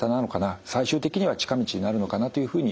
最終的には近道になるのかなというふうに思います。